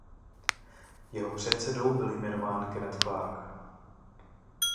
Jeho předsedou byl jmenován Kenneth Clark.